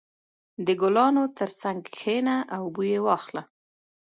• د ګلانو تر څنګ کښېنه او بوی یې واخله.